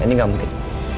ini gak mungkin